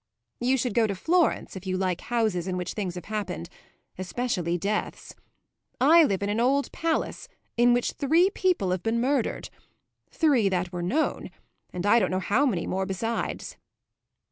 "You should go to Florence if you like houses in which things have happened especially deaths. I live in an old palace in which three people have been murdered; three that were known and I don't know how many more besides."